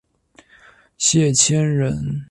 谢迁人。